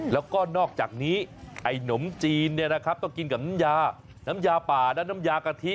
แล้วก็นอกจากนี้ไอ้หนมจีนต้องกินกับน้ำยาน้ำยาป่าและน้ำยากะทิ